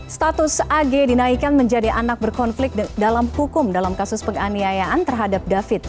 status ag dinaikkan menjadi anak berkonflik dalam hukum dalam kasus penganiayaan terhadap david